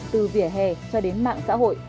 từ vỉa hè cho đến mạng xã hội